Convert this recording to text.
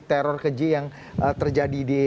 teror keji yang terjadi di